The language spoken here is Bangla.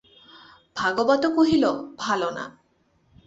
ভাগবত কহিল, ভালো না।